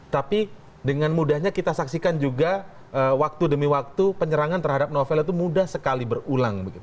tapi dengan mudahnya kita saksikan juga waktu demi waktu penyerangan terhadap novel itu mudah sekali berulang